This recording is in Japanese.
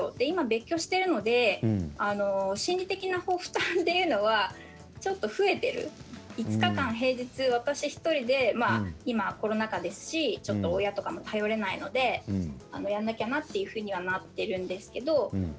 今、別居しているので心理的な負担というのはちょっと増えている５日間平日、私１人で今コロナ禍ですしちょっと親とかも頼れないのでやらなきゃなというふうになっているんですけど